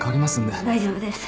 大丈夫です。